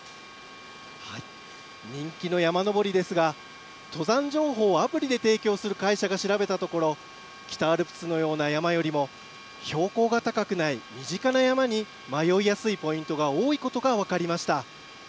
人気の山登りですが、登山情報をアプリで提供する会社が調べたところ、北アルプスのような山よりも、標高が高くない身近な山に迷いやすいポイントが多いことが分かりました。